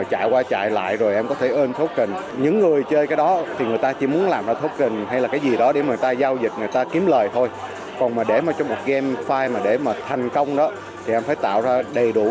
trong đó game phải tạo ra đầy đủ